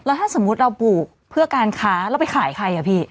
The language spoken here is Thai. ถ้าสมมุติเราปลูกเพื่อการค้าเราไปขายใครอะพี่